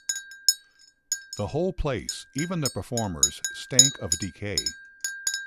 The whole place, even the performers, stank of decay.